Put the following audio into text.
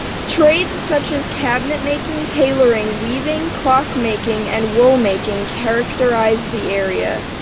Trades such as cabinet-making, tailoring, weaving, clock-making, and wool-making characterized the area.